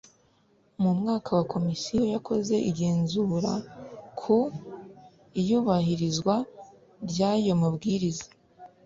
Mu mwaka wa Komisiyo yakoze igenzura ku iyubahirizwa ry ayo mabwiriza